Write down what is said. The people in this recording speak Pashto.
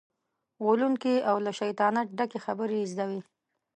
غولونکې او له شیطانت ډکې خبرې یې زده وي.